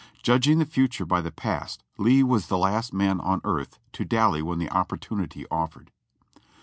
Judg ing the future by the past, Lee was the last man on earth to dally when the opportunity offered.